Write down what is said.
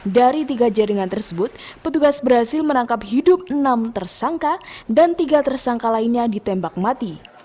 dari tiga jaringan tersebut petugas berhasil menangkap hidup enam tersangka dan tiga tersangka lainnya ditembak mati